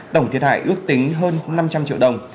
tổng thiệt hại ước tính hơn năm trăm linh triệu đồng